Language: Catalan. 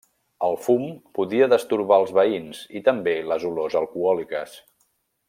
El fum podia destorbar els veïns i també les olors alcohòliques.